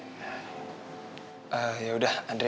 terima kasih mu ngasih waktunya